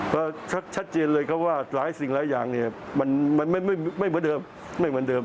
เพราะชัดเจนเลยครับว่าหลายสิ่งหลายอย่างมันไม่เหมือนเดิม